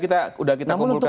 sudah kita kumpulkan